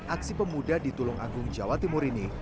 aksi pemuda di tulung agung jawa timur ini